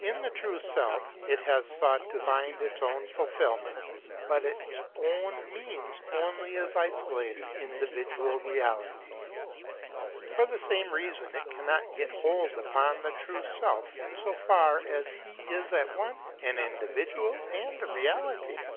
In the true Self it has sought to find its own fulfilment ; but its own means only its isolated individual reality. For the same reason it can not get hold upon the true Self in so far as he is at once an individual and a reality.